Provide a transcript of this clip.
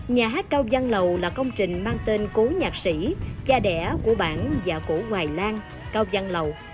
nhà hát cao văn lầu là công trình mang tên cố nhạc sĩ cha đẻ của bản và cổ ngoài lan cao văn lầu